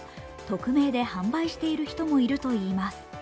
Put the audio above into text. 匿名で販売している人もいるといいます。